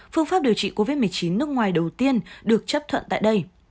phương pháp điều trị covid một mươi chín nước ngoài đầu tiên được chấp thuận tại đây